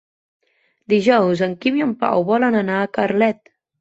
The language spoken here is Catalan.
Dijous en Quim i en Pau volen anar a Carlet.